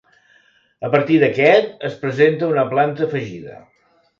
A partir d'aquest es presenta una planta afegida.